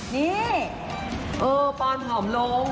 นี่เออปอนผอมลง